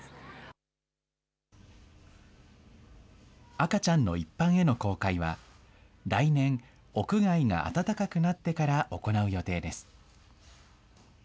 赤ちゃんの一般への公開は、来年、屋外が暖かくなってから行う予定です。